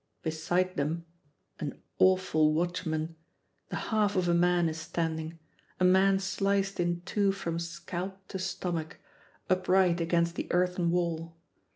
Beside them an awful watchman! the half of a man is standing, a man sliced in two from scalp to stomach, upright against the earthen wall.